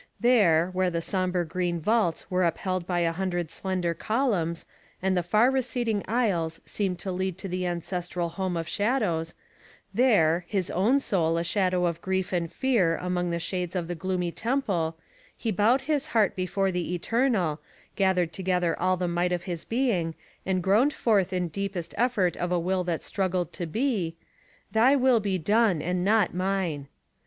There, where the sombre green vaults were upheld by a hundred slender columns, and the far receding aisles seemed to lead to the ancestral home of shadows, there, his own soul a shadow of grief and fear among the shades of the gloomy temple, he bowed his heart before the Eternal, gathered together all the might of his being, and groaned forth in deepest effort of a will that struggled to be: "Thy will be done, and not mine."